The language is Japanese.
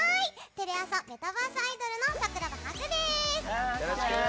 テレ朝メタバースアイドルの桜葉ハグです！